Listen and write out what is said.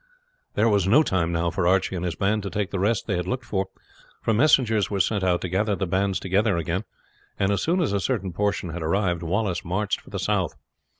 There was no time now for Archie and his band to take the rest they had looked for, for messengers were sent out to gather the bands together again, and as soon as a certain portion had arrived Wallace marched for the south.